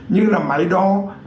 như là máy đo